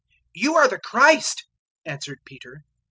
"You are the Christ," answered Peter.